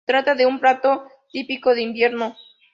Se trata de un plato típico de invierno.